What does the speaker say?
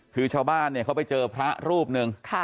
คือชาวบ้านเนี่ยเขาไปเจอพระรูปหนึ่ง